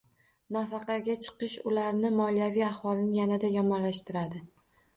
Nafaqaga chiqish ularning moliyaviy ahvolini yanada yomonlashtiradi